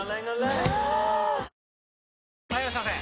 ぷはーっ・はいいらっしゃいませ！